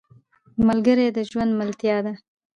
ملګری د ژوند ملتیا ده